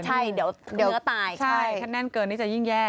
ใช่เดี๋ยวเนื้อตายใช่ถ้าแน่นเกินนี่จะยิ่งแย่